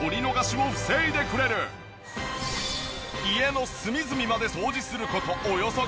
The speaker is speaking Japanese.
家の隅々まで掃除する事およそ５分。